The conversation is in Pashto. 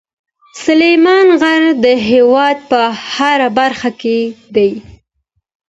سلیمان غر د هېواد په هره برخه کې دی.